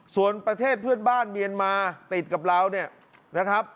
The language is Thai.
ส่วนประเทศเพื่อนบ้านเมียนมาติดกับเราเนี่ยนะครับ